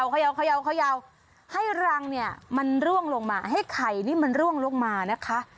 เขย่าให้รังเนี่ยมันร่วงลงมาให้ไข่นี่มันร่วงลงมานะคะ